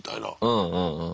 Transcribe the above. うんうんうん。